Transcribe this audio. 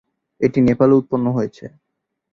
এটি নেপালে উৎপন্ন হয়েছে।